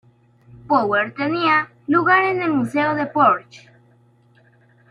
Power" tenía lugar en el Museo de Porsche.